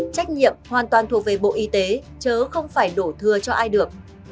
trách nhiệm hoàn toàn thuộc về bộ y tế chứ không phải đổ thừa cho ai được